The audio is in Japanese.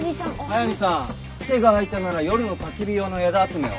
速見さん手が空いたなら夜のたき火用の枝集めを。